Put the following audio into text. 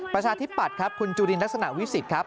ประชาธิปัตย์ครับคุณจุลินลักษณะวิสิทธิ์ครับ